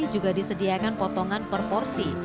juga disediakan potongan per porsi